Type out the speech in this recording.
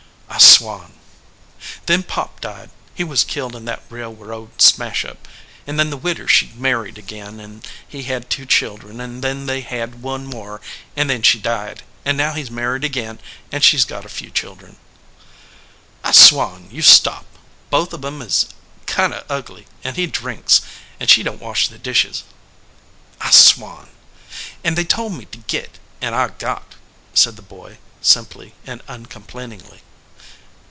"I swan!" "Then Pop di^d. He was killed in that rail road smash up, and then the widder she married again, and he had two children, and then they had one more, and then she died, and now he s mar ried again and she s got a few children." "I swan, you stop!" "Both of em is kind of ugly, and he drinks, and she don t wash the dishes." "I swan!" "And they told me to git and I got," said the boy, simply and uncomplainingly.